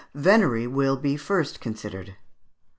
Venery will be first considered.